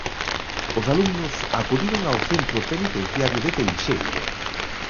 Os alumnos acudiron ao centro penitenciario de Teixeiro.